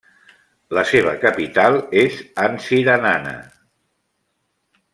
La seva capital és Antsiranana.